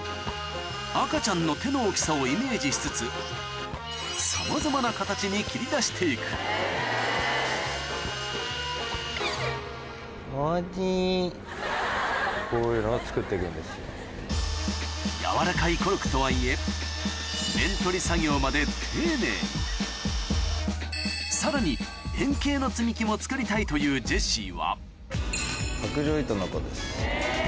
赤ちゃんの手の大きさをイメージしつつさまざまな形に切り出して行く軟らかいコルクとはいえ面取り作業まで丁寧にさらに作りたいというジェシーは卓上糸ノコです。